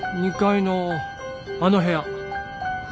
２階のあの部屋。